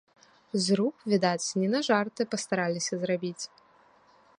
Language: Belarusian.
Зруб, відаць, не на жарты пастараліся зрабіць.